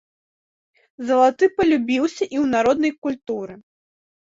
Залаты палюбіўся і ў народнай культуры.